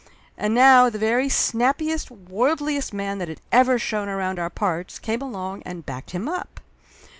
And now the very snappiest, worldliest man that had ever shown around our parts came along and backed him up